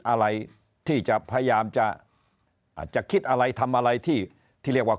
อะไรที่จะพยายามจะอาจจะคิดอะไรทำอะไรที่เรียกว่า